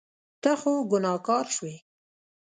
ته خو ګناهګار شوې.